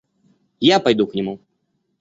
Я пойду к нему.